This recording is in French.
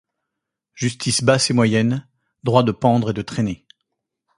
Justice basse et moyenne, droit de pendre et de traîner.